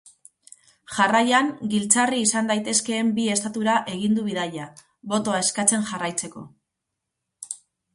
Jarraian giltzarri izan daitezkeen bi estatura egin du bidaia, botoa eskatzen jarraitzeko.